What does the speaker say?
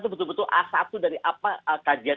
itu betul betul a satu dari apa kajian